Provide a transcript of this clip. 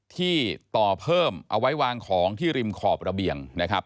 ที่ต่อเพิ่มเอาไว้วางของที่ริมขอบระเบียงนะครับ